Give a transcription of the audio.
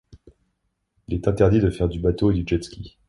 Il y est interdit de faire du bateau et du jet-ski.